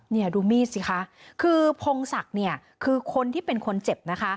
เนี่ยดูมีดสิคะคือพงศักดิ์เนี่ยคือคนที่เป็นคนเจ็บนะคะ